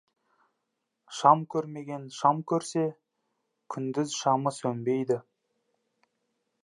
Шам көрмеген шам көрсе, күндіз шамы сөнбейді.